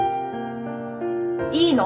いいの！？